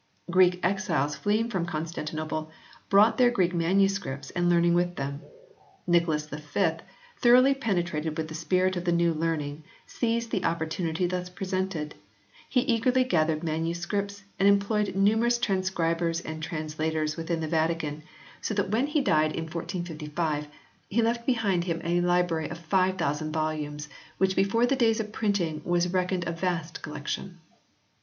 Greek exiles fleeing from Con stantinople brought their Greek MSS. and learning with them. Nicholas V, thoroughly penetrated with the spirit of the new learning, seized the opportunity thus presented. He eagerly gathered MSS. and em ployed numerous transcribers and translators within the Vatican, so that when he died in 1455 he left in] TYNDALE S PRINTED TRANSLATION 37 behind him a library of 5000 volumes, which before the days of printing was reckoned a vast collection.